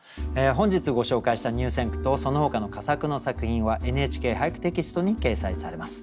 本日ご紹介した入選句とそのほかの佳作の作品は「ＮＨＫ俳句」テキストに掲載されます。